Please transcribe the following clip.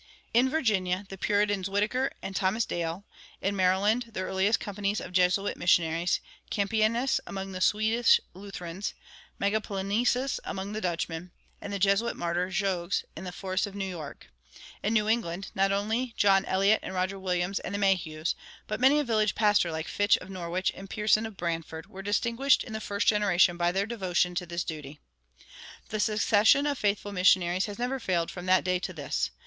In Virginia, the Puritans Whitaker and Thomas Dale; in Maryland, the earliest companies of Jesuit missionaries; Campanius among the Swedish Lutherans; Megapolensis among the Dutchmen, and the Jesuit martyr Jogues in the forests of New York; in New England, not only John Eliot and Roger Williams and the Mayhews, but many a village pastor like Fitch of Norwich and Pierson of Branford, were distinguished in the first generation by their devotion to this duty.[150:1] The succession of faithful missionaries has never failed from that day to this.